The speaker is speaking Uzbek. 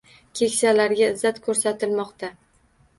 Keksalarga izzat ko‘rsatilmoqda